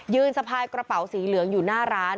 สะพายกระเป๋าสีเหลืองอยู่หน้าร้าน